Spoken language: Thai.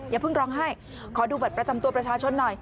อย่าเพิ่งร้องไห้ขอดูบัตรประจำตัวประชาชนหน่อย